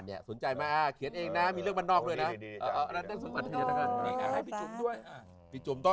ห่วงแล้วก็สุขภาพนี่